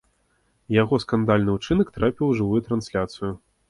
Яго скандальны ўчынак трапіў у жывую трансляцыю.